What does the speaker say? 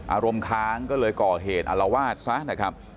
อารมณ์ค้างก็เลยก่อเหตุอารวาสซะนะครับ